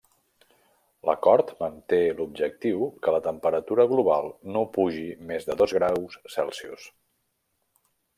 L'acord manté l'objectiu que la temperatura global no pugi més de dos graus Celsius.